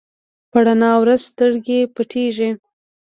په رڼا ورځ سترګې پټېږي.